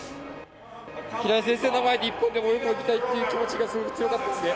平井先生の前で一本でも多く泳ぎたいっていう気持ちが、すごく強かったですね。